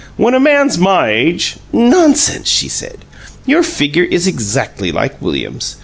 "When a man's my age " "Nonsense!" she said. "Your figure is exactly like William's.